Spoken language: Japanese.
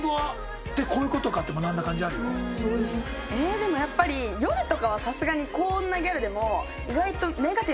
でもやっぱり夜とかはさすがにこんなギャルでも。